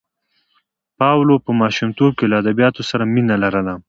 پاولو په ماشومتوب کې له ادبیاتو سره مینه لرله.